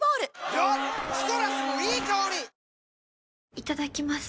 いただきます。